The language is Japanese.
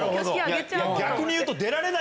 逆に言うと。